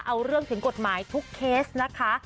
เอาเรื่องถึงกฎหมายทุกเคสนะคะ